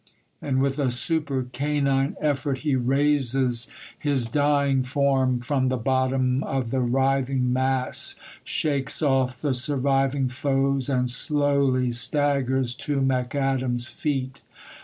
and with a super canine effort he raises his dying form from the bottom of the writhing mass, shakes off the surviving foes, and slowly staggers to McAdam's feet.